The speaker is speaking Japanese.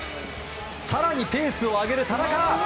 更にペースを上げる田中。